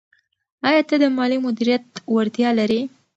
آیا ته د مالي مدیریت وړتیا لرې؟